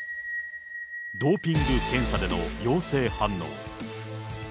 ドーピング検査での陽性反応。